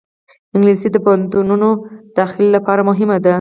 انګلیسي د پوهنتون داخلې لپاره مهمه ده